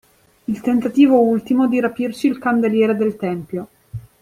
Il tentativo ultimo di rapirci il candeliere del Tempio